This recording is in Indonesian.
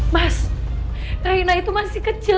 mas rai naya itu masih kecil